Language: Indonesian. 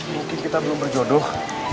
mungkin kita belum berjodoh